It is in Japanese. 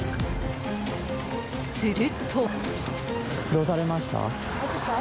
すると。